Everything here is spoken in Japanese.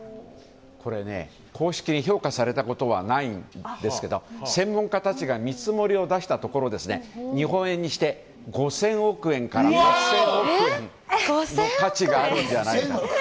公式に評価されたことはないんですが専門家たちが見積もりを出したところ日本円にして５０００億円から８０００億円の価値があるんじゃないかと。